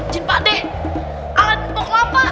jin pakdeh aladin mau kelapa